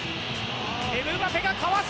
エムバペがかわす！